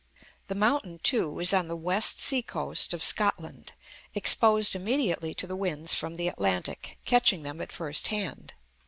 The mountain, too, is on the west sea coast of Scotland, exposed immediately to the winds from the Atlantic, catching them at first hand.